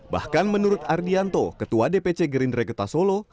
bahkan menurut ardianto ketua dpc gerindra kota solo